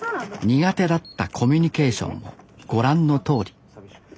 苦手だったコミュニケーションもご覧のとおり。